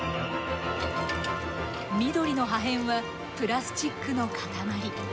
緑の破片はプラスチックの塊。